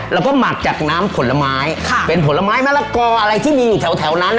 เราก็หมัดจากน้ำผลไม้ค่ะเป็นผลไม้แมลกออะไรที่มีอยู่แถวแถวนั้นอ่ะ